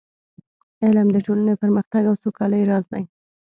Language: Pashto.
علم د ټولنې د پرمختګ او سوکالۍ راز دی.